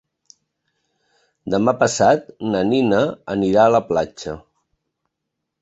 Demà passat na Nina anirà a la platja.